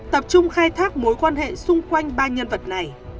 tập trung khai thác mối quan hệ xung quanh ba nhân vật này